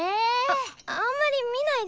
ああんまり見ないでっ！